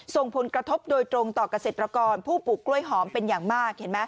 ส่งผลกระทบโดยตรงต่อเกษตรกรผู้ปลูกกล้วยหอมเป็นอย่างมากเห็นไหม